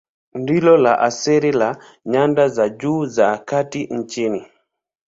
Ndilo la asili la nyanda za juu za kati nchini.